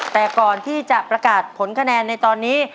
แต่ก่อนที่จะประกาศผลคะแนนในตอนนี้